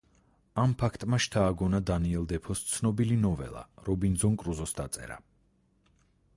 ამ ფაქტმა შთააგონა დანიელ დეფოს ცნობილი ნოველა „რობინზონ კრუზოს“ დაწერა.